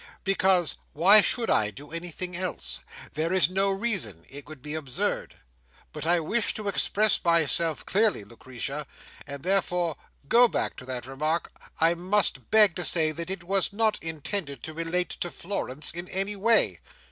Because, why should I do anything else? There is no reason; it would be absurd. But I wish to express myself clearly, Lucretia; and therefore to go back to that remark, I must beg to say that it was not intended to relate to Florence, in any way."